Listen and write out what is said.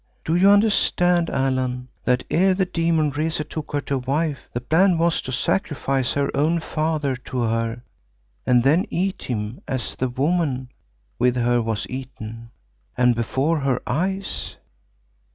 Do you understand, Allan, that ere the demon Rezu took her to wife, the plan was to sacrifice her own father to her and then eat him as the woman with her was eaten, and before her eyes?